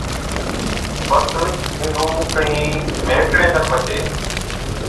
بس اينهُون ڪهِين مهٽڻي کن پڇي،